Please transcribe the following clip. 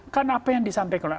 kan apa yang disampaikan